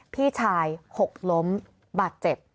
พี่ชายหกล้มบาดเจ็บ